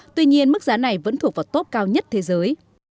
tuy nhiên mức giá này vẫn thuộc vào tốp cao nhất thế giới